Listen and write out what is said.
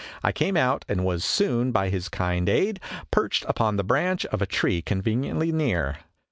I came out, and was soon, by his kind aid, perched upon the branch of a tree conveniently near.